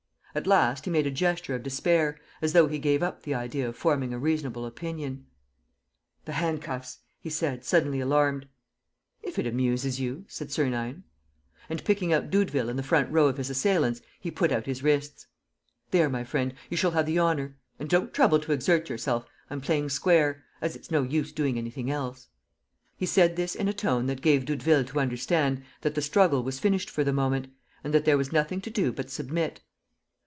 At last, he made a gesture of despair, as though he gave up the idea of forming a reasonable opinion. "The handcuffs," he said, suddenly alarmed. "If it amuses you," said Sernine. And, picking out Doudeville in the front row of his assailants, he put out his wrists: "There, my friend, you shall have the honour ... and don't trouble to exert yourself. ... I'm playing square ... as it's no use doing anything else. ..." He said this in a tone that gave Doudeville to understand that the struggle was finished for the moment and that there was nothing to do but submit.